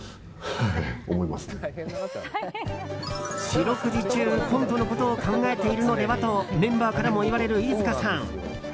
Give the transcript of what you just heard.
四六時中、コントのことを考えているのでは？とメンバーからも言われる飯塚さん。